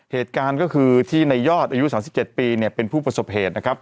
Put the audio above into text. เหตุการณ์ก็คือที่ในยอดอายุ๓๗ปีเนี่ยเป็นผู้ประสบเหตุนะครับ